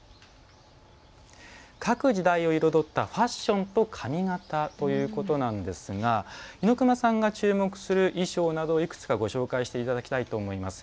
「各時代を彩ったファッションと髪型」ということなんですが猪熊さんが注目する衣装などをいくつかご紹介していただきたいと思います。